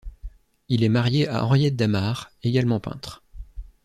Il est marié à Henriette Damart, également peintre.